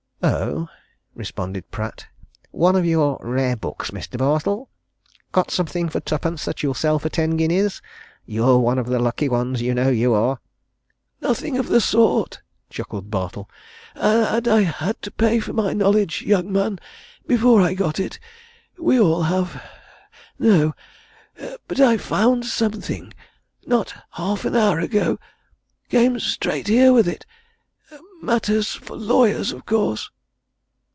"Oh!" responded Pratt. "One of your rare books, Mr. Bartle? Got something for twopence that you'll sell for ten guineas? You're one of the lucky ones, you know, you are!" "Nothing of the sort!" chuckled Bartle. "And I had to pay for my knowledge, young man, before I got it we all have. No but I've found something: not half an hour ago. Came straight here with it. Matters for lawyers, of course."